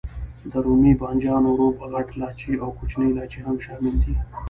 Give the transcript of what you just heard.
د رومي بانجانو روب، غټ لاچي او کوچنی لاچي هم شامل دي.